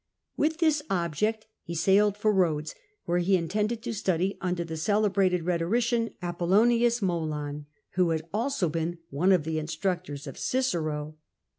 'With this object be sailed for Ebodes, where he intended to study under the cele brated rhetorician Apollonius Molon, who had also been one of the instructors of Cicero.